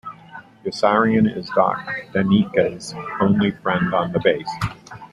Yossarian is Doc Daneeka's only friend on the base.